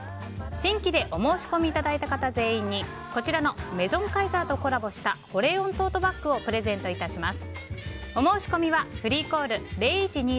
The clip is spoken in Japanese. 新規でお申し込みいただいた方全員にメゾンカイザーとコラボした保冷温トートバッグを人気商品を徹底調査します。